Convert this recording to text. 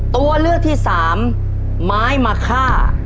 ตัวเลือกที่สามไม้มะค่า